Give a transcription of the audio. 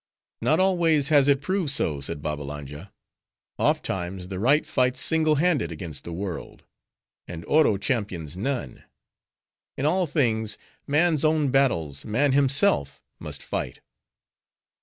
"Not always has it proved so," said Babbalanja. "Oft times, the right fights single handed against the world; and Oro champions none. In all things, man's own battles, man himself must fight.